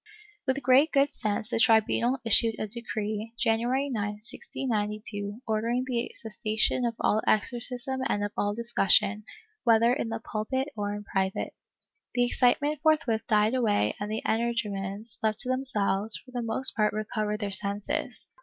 With great good sense the tribunal issued a decree, January 9, 1692, ordering the cessation of all exorcism and of all discussion, whether in the pulpit or in private. The excitement forthwith died away and the energumens, left to themselves, for the most part recovered their senses.